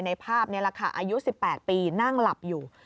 ภาพนี้แหละค่ะอายุ๑๘ปีนั่งหลับอยู่